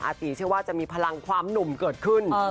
ตีเชื่อว่าจะมีพลังความหนุ่มเกิดขึ้น